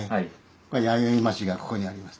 弥生町がここにあります。